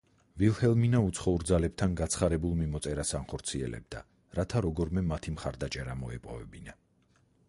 ვილჰელმინა უცხოურ ძალებთან გაცხარებულ მიმოწერას ანხორციელებდა, რათა როგორმე მათი მხარდაჭერა მოეპოვებინა.